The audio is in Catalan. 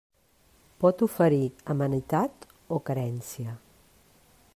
Pot oferir amenitat o carència.